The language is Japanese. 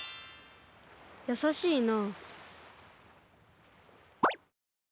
やさしいな。